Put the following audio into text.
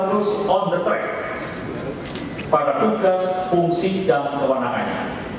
harus on the track pada tugas fungsi dan kewenangannya